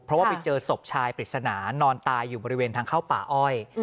เพราะว่าไปเจอศพชายปริศนานอนตายอยู่บริเวณทางเข้าป่าอ้อย